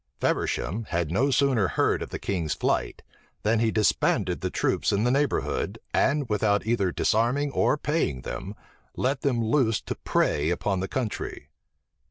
Feversham had no sooner heard of the king's flight, than he disbanded the troops in the neighborhood, and without either disarming or paying them, let them loose to prey upon the country.